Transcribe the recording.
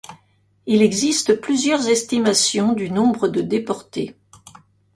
Il existe plusieurs estimations du nombre de déportés.